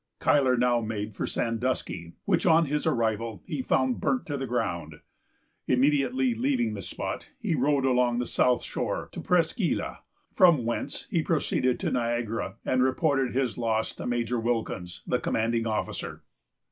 Cuyler now made for Sandusky, which, on his arrival, he found burnt to the ground. Immediately leaving the spot, he rowed along the south shore to Presqu' Isle, from whence he proceeded to Niagara and reported his loss to Major Wilkins, the commanding officer.